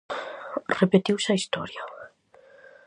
Repetiuse a historia.